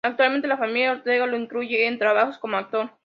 Actualmente la familia Ortega lo incluye en trabajos como actor.